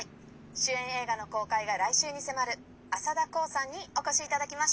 主演映画の公開が来週に迫る浅田航さんにお越し頂きました」。